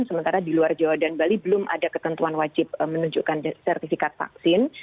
sementara di luar jawa dan bali belum ada ketentuan wajib menunjukkan sertifikat vaksin